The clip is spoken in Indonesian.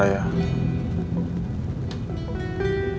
dan yang lain